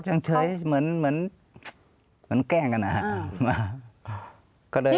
ยังเฉยเหมือนแกล้งกันนะครับ